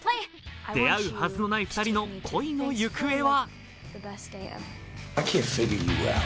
出会うはずのない２人の恋の行方は。